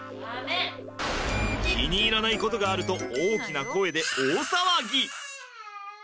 気に入らないことがあると大きな声で大騒ぎ！